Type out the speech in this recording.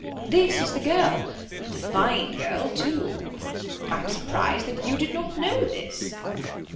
This is the girl, and a fine girl, too. I'm surprised that you did not know this."